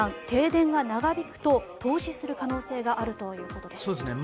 停電が長引くと凍死する可能性があるということです。